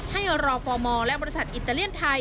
ให้รอฟอร์มอล์และวัตถัดอิตาเลียนไทย